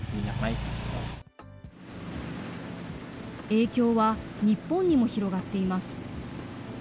影響は、日本にも広がっています。